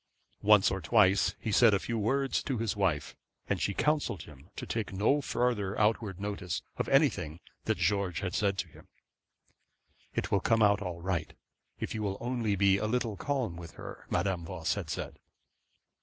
Once or twice he said a few words to his wife, and she counselled him to take no farther outward notice of anything that George had said to him. 'It will all come right if you will only be a little calm with her,' Madame Voss had said.